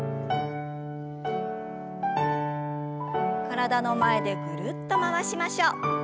体の前でぐるっと回しましょう。